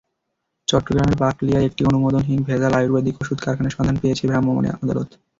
চট্টগ্রামের বাকলিয়ায় একটি অনুমোদনহীন ভেজাল আয়ুর্বেদিক ওষুধ কারখানার সন্ধান পেয়েছেন ভ্রাম্যমাণ আদালত।